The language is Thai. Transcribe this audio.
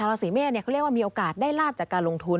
ราศีเมษเขาเรียกว่ามีโอกาสได้ลาบจากการลงทุน